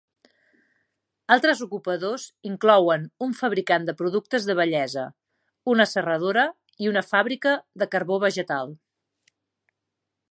Altres ocupadors inclouen un fabricant de productes de bellesa, una serradora i una fàbrica de carbó vegetal.